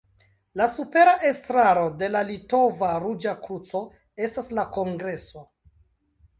La supera estraro de la Litova Ruĝa Kruco estas la kongreso.